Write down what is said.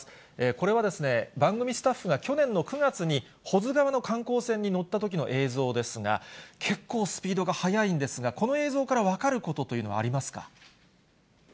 これは番組スタッフが、去年の９月に保津川の観光船に乗ったときの映像ですが、結構スピードが速いんですが、この映像から分かることというのはあります